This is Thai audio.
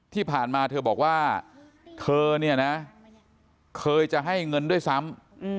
ที่ผ่านมาเธอบอกว่าเธอเนี่ยนะเคยจะให้เงินด้วยซ้ำ